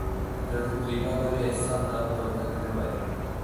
যদি কৃপা করিয়া স্থান দাও তবে থাকিতে পাই।